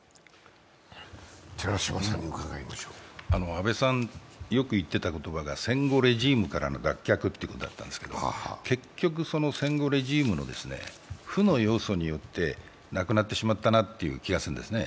安倍さんよく言ってた言葉が戦後レジームからの脱却という言葉だったんですけど、結局の戦後レジームの負の要素によってなくなってしまったなという気がするんですね。